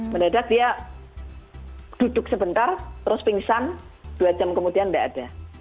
mendadak dia duduk sebentar terus pingsan dua jam kemudian tidak ada